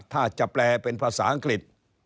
ถ้าจะแปลเป็นภาษาอังกฤษ